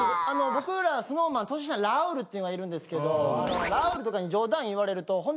僕らＳｎｏｗＭａｎ年下のラウールっていうのがいるんですけどラウールとかに。